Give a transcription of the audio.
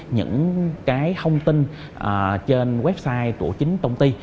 những cái thông tin trên website của chính công ty